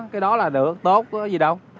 cái đó là được tốt có gì đâu